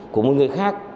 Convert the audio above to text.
của một người khác